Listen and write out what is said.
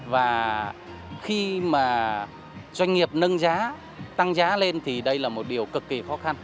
và khi mà doanh nghiệp nâng giá tăng giá lên thì đây là một điều cực kỳ khó khăn